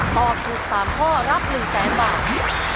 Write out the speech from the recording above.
ตอบถูก๓ข้อรับ๑๐๐๐๐๐บาท